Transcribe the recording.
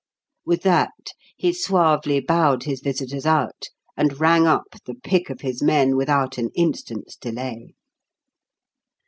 With that, he suavely bowed his visitors out and rang up the pick of his men without an instant's delay.